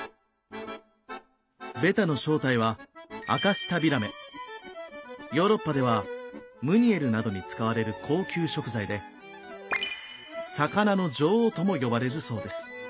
ベタの正体はヨーロッパではムニエルなどに使われる高級食材で「魚の女王」とも呼ばれるそうです。